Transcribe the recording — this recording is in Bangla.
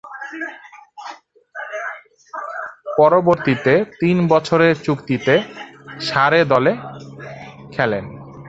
পরবর্তীতে, তিন বছরের চুক্তিতে সারে দলে খেলেন।